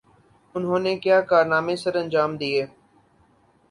انہوں نے کیا کارنامے سرانجام دئیے؟